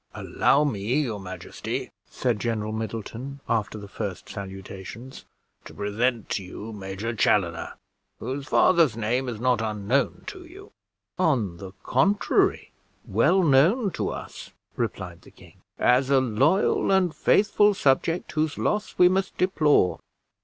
"Allow me, your majesty," said General Middleton, after the first salutations, "to present to you Major Chaloner, whose father's name is not unknown to you." "On the contrary, well known to us," replied the king, "as a loyal and faithful subject whose loss we must deplore.